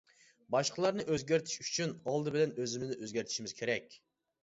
باشقىلارنى ئۆزگەرتىش ئۈچۈن، ئالدى بىلەن ئۆزىمىزنى ئۆزگەرتىشىمىز كېرەك.